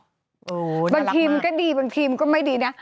โอ้โฮน่ารักมากนะบางทีมก็ดีบางทีมก็ไม่ดีนะ